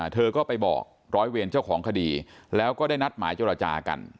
เธอก็ไปบอกร้อยเวรเจ้าของคดีแล้วก็ได้นัดหมายเจรจากัน